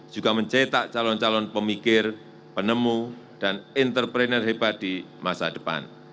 juga mencetak calon calon pemikir penemu dan entrepreneur hebat di masa depan